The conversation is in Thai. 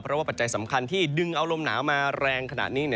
เพราะว่าปัจจัยสำคัญที่ดึงเอาลมหนาวมาแรงขนาดนี้